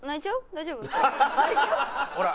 大丈夫？ほら！